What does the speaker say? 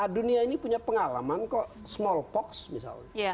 dunia ini punya pengalaman kok smallpox misalnya